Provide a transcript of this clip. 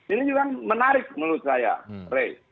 ini juga menarik menurut saya rey